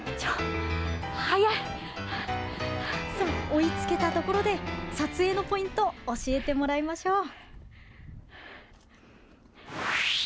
追いつけたところで撮影のポイント教えてもらいましょう。